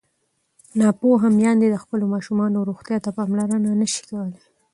ناپوهه میندې د خپلو ماشومانو روغتیا ته پاملرنه نه شي کولی.